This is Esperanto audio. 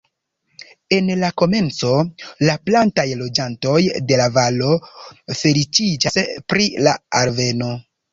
En la komenco, la plantaj loĝantoj de la valo feliĉiĝas pri la alveno.